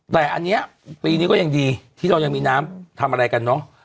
แต่อันนี้ปีนี้ก็ยังดีที่เรายังมีน้ำทำอะไรกันเนอะ